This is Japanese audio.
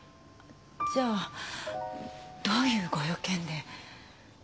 じゃあどういうご用件で？